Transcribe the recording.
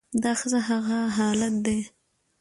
دا ښځه هغه حالت دى